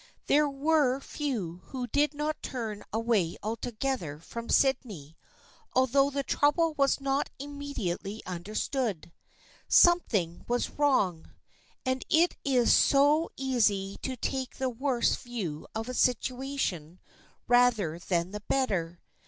There were few who did not turn away altogether from Syd ney, although the trouble was not immediately understood. Something was wrong, and it is so easy to take the worse view of a situation rather than the better.